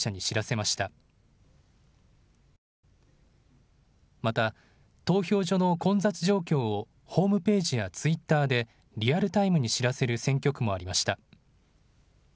また、投票所の混雑状況をホームページやツイッターでリアルタイムに知らせる選挙区もありました。